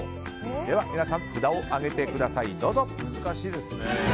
では皆さん、札を上げてください。